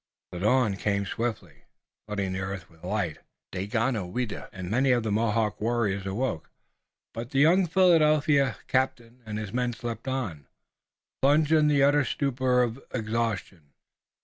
The dawn came swiftly, flooding the earth with light. Daganoweda and many of the Mohawk warriors awoke, but the young Philadelphia captain and his men slept on, plunged in the utter stupor of exhaustion.